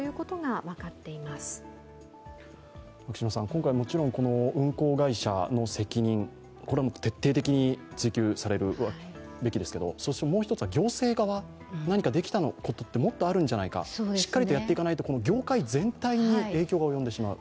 今回もちろん運航会社の責任は徹底的に追及されるべきですが、もう一つは行政側、何かできたことってもっとあるんじゃないかしっかりとやっていかないと、この業界全体に影響が及んでしまう。